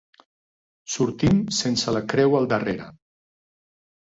Sortint sense la creu al darrere.